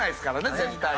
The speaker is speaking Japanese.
絶対。